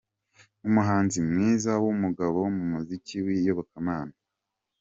Umuhanzi mwiza w’umugabo mu muziki w’Iyobokamana.